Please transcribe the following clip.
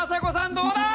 どうだ？